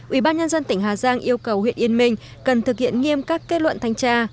ủy ban nhân dân tỉnh hà giang yêu cầu huyện yên minh cần thực hiện nghiêm các kết luận thanh tra